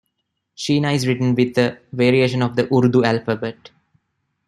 Shina is written with a variation of the Urdu alphabet.